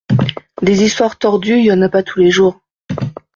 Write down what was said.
des histoires tordues y’en a pas tous les jours